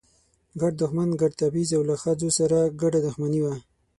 ګډ دښمن، ګډ تبعیض او له ښځو سره ګډه دښمني وه.